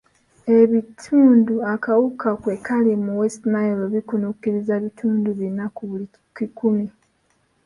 Emisinde akawuka kwe kali mu West Nile gikunukkiriza bitundu bina ku buli kikumi.